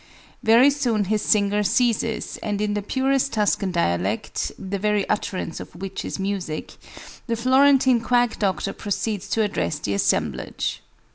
Very soon his singer ceases, and in the purest Tuscan dialect the very utterance of which is music the Florentine quack doctor proceeds to address the assemblage.